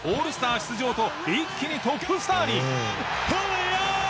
出場と一気にトップスターに。